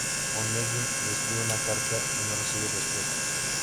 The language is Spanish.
Oneguin le escribe una carta y no recibe respuesta.